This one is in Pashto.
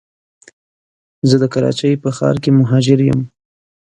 زه د کراچی په ښار کي مهاجر یم